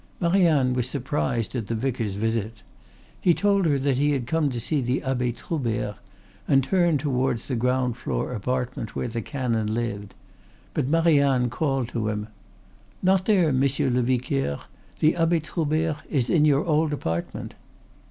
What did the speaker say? Marianne was surprised at the vicar's visit. He told her that he had come to see the Abbe Troubert, and turned towards the ground floor apartment where the canon lived; but Marianne called to him: "Not there, monsieur le vicaire; the Abbe Troubert is in your old apartment."